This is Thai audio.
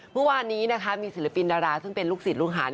เมื่อวานนี้มีศิลปินดาราซึ่งเป็นลูกศิษย์ลูกหา